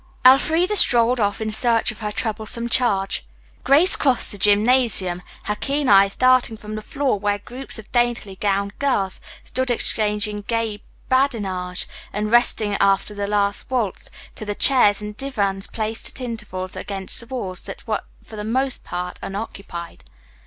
Elfreda strolled off in search of her troublesome charge. Grace crossed the gymnasium, her keen eyes darting from the floor, where groups of daintily gowned girls stood exchanging gay badinage, and resting after the last waltz, to the chairs and divans placed at intervals against the walls that were for the most part unoccupied.